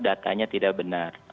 datanya tidak benar